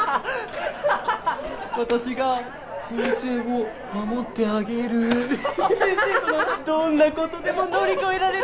私が先生を守ってあげる先生とならどんなことでも乗り越えられる